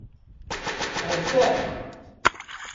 Rfan.